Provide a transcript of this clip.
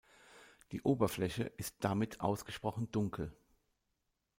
Die Oberfläche ist damit ausgesprochen dunkel.